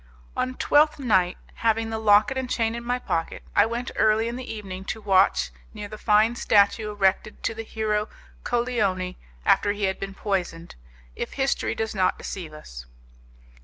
On Twelfth Night, having the locket and chain in my pocket, I went early in the evening to watch near the fine statue erected to the hero Colleoni after he had been poisoned, if history does not deceive us.